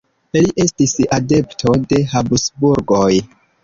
Li estis adepto de Habsburgoj.